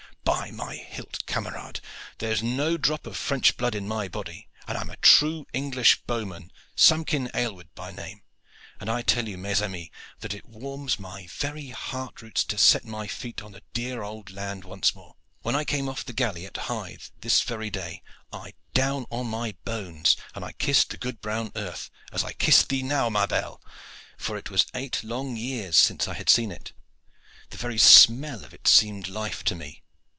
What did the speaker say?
By my hilt! camarades, there is no drop of French blood in my body, and I am a true English bowman, Samkin Aylward by name; and I tell you, mes amis, that it warms my very heart roots to set my feet on the dear old land once more. When I came off the galley at Hythe, this very day, I down on my bones, and I kissed the good brown earth, as I kiss thee now, ma belle, for it was eight long years since I had seen it. The very smell of it seemed life to me.